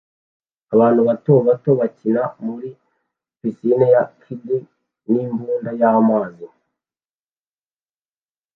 Abana bato bato bakina muri pisine ya kiddie n'imbunda y'amazi